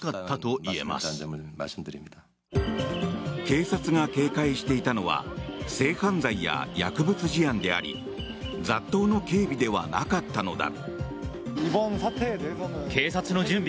警察が警戒していたのは性犯罪や薬物事案であり雑踏の警備ではなかったのだ。